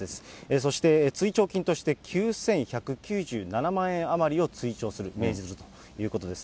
そして追徴金として９１９７万円余りを追徴する、命じるということです。